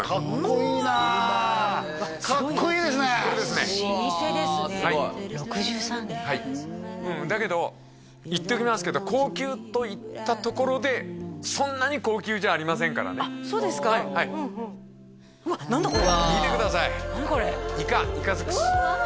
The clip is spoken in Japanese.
これですね老舗ですね６３年はいだけど言っておきますけど高級といったところでそんなに高級じゃありませんからねあっそうですかはいはい見てくださいイカイカ尽くしうわ！